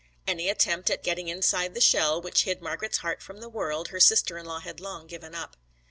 Any attempt at getting inside the shell which hid Margret's heart from the world her sister in law had long given up.